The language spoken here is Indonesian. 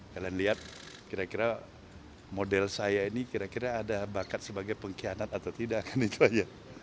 kalian lihat kira kira model saya ini kira kira ada bakat sebagai pengkhianat atau tidak kan itu aja